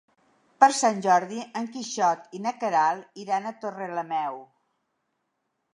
Per Sant Jordi en Quixot i na Queralt iran a Torrelameu.